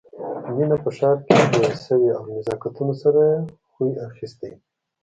مينه په ښار کې لويه شوې او له نزاکتونو سره يې خوی اخيستی